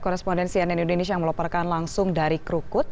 korespondensi ann indonesia yang meloparkan langsung dari krukut